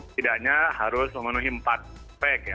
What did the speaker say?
tidaknya harus memenuhi empat pek